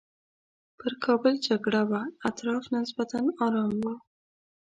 پر کابل جګړه وه اطراف نسبتاً ارام وو.